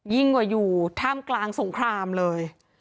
ยิ่งกว่าอยู่ท่ามกลางสงครามเลย